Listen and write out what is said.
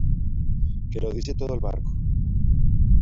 que lo dice todo el barco .